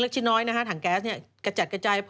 ซึ่งตอน๕โมง๔๕นะฮะทางหน่วยซิวได้มีการยุติการค้นหาที่